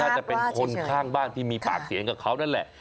จะเป็นคนข้างบ้านที่มีปากเสียงกับเขานั่นแหละ